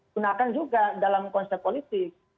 gunakan juga dalam konsep politik